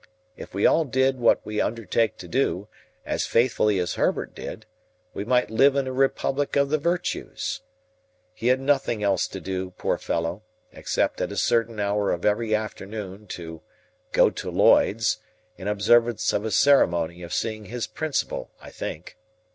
If we all did what we undertake to do, as faithfully as Herbert did, we might live in a Republic of the Virtues. He had nothing else to do, poor fellow, except at a certain hour of every afternoon to "go to Lloyd's"—in observance of a ceremony of seeing his principal, I think.